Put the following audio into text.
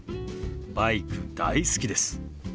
バイク大好きです。